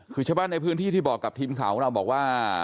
คือเฉพาะในพื้นที่ที่บอกกับทีมข่าวเราบอกว่า